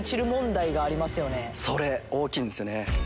それ大きいんですよね。